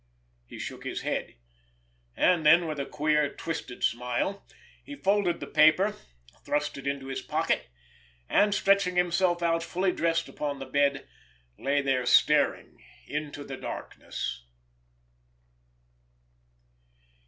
He shook his head. And then, with a queer, twisted smile, he folded the paper, thrust it into his pocket—and, stretching himself out fully dressed upon the bed, lay there staring into the darkness.